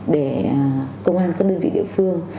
để công an các đơn vị địa phương